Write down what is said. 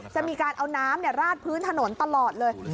จะมีการเอาน้ำราดพื้นถนนตลอดเลย